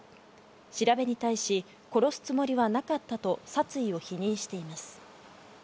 調べに対し殺すつもりはなかったと殺意を否認しています。